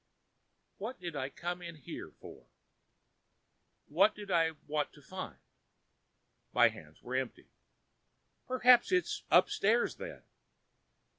"What did I come in here for? What did I want to find?" My hands were empty. "Perhaps it's upstairs then?"